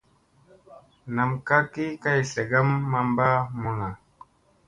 Nam kak ki kay zlagam mamba mulla.